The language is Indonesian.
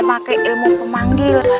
pake ilmu pemanggil